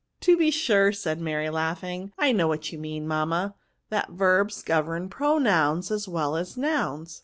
'''^ To be sure," said Mary, laughing ;*' I know what you mean, mamma — that verbs govern pronouns as well as nouns."